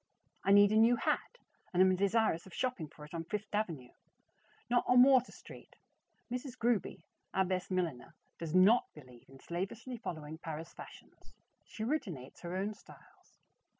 I need a new hat, and am desirous of shopping for it on Fifth Avenue, not on Water Street. Mrs. Gruby, our best milliner, does not believe in slavishly following Paris Fashions; she originates her own styles.